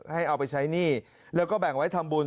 เอาไปใช้หนี้แล้วก็แบ่งไว้ทำบุญ